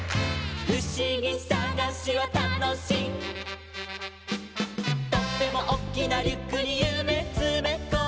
「ふしぎさがしはたのしい」「とってもおっきなリュックにゆめつめこんで」